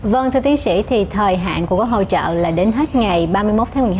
vâng thưa tiến sĩ thì thời hạn của cái hỗ trợ là đến hết ngày ba mươi một tháng một mươi hai